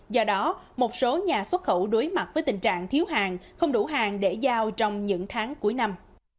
do đó một số nhà xuất khẩu đối mặt với tình trạng thiếu hàng không đủ hàng để giao trong những tháng cuối năm